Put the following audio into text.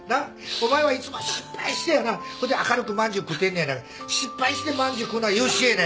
お前はいつも失敗してやなほんで明るくまんじゅう食うてんねやから。失敗してまんじゅう食うのが良恵やないかい。